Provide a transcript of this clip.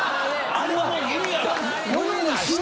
あれは。